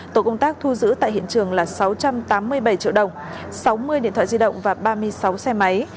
tổ công tác thu giữ tại hiện trường là sáu trăm tám mươi bảy triệu đồng sáu mươi điện thoại di động và ba mươi sáu xe máy